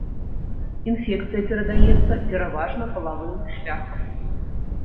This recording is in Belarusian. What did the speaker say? Інфекцыя перадаецца пераважна палавым шляхам.